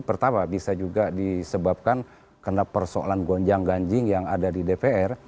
pertama bisa juga disebabkan karena persoalan gonjang ganjing yang ada di dpr